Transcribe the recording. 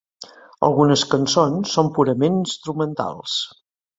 Algunes cançons són purament instrumentals.